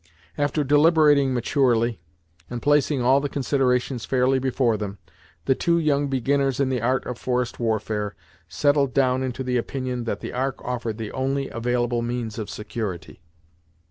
After deliberating maturely, and placing all the considerations fairly before them, the two young beginners in the art of forest warfare settled down into the opinion that the Ark offered the only available means of security.